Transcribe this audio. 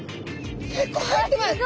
結構入ってます。